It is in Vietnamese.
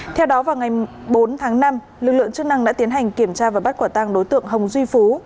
theo đó vào ngày bốn tháng năm lực lượng chức năng đã tiến hành kiểm tra và bắt quả tàng đối tượng hồng duy phú